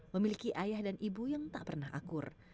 memiliki ayah dan ibu yang tak pernah akur